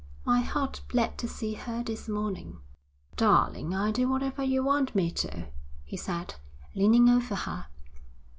My heart bled to see her this morning.' 'Darling, I'll do whatever you want me to,' he said, leaning over her.